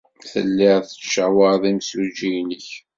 Telliḍ tettcawaṛeḍ imsujji-nnek.